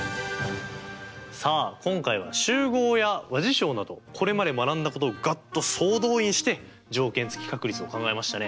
さあ今回は集合や和事象などこれまで学んだことをガッと総動員して条件付き確率を考えましたね。